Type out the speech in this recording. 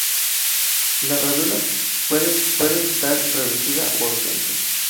La rádula puede estar reducida o ausente.